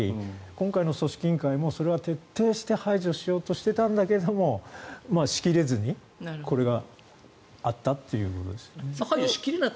今回の組織委員会もそれは徹底して排除しようとしてたんだけどし切れずにこれがあったという。